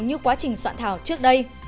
như quá trình soạn thảo trước đây